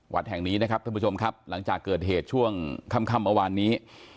วัดแห่งนี้นะครับท่านผู้ชมครับหลังจากเกิดเหตุช่วงค่ำเมื่อวานนี้